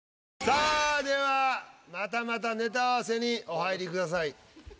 さあではまたまたネタ合わせにお入りください。